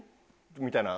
みたいな。